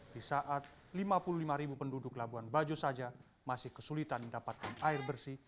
di saat lima puluh lima ribu penduduk labuan bajo saja masih kesulitan mendapatkan air bersih